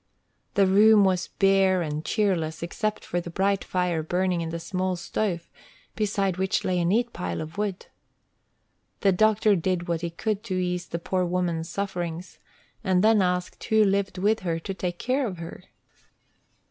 The room was bare and cheerless except for the bright fire burning in the small stove, beside which lay a neat pile of wood. The doctor did what he could to ease the poor woman s sufferings, and then asked who lived with her to take care of her.